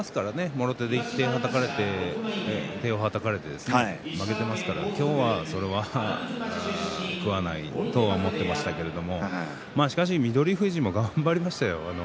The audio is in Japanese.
もろ手でいってはたかれて負けていますから今日はそれは食わないと思っていましたけれどもしかし翠富士も頑張りましたよ。